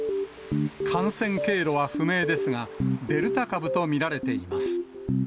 感染経路は不明ですが、デルタ株と見られています。